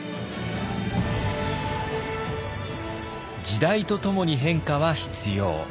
時代とともに変化は必要。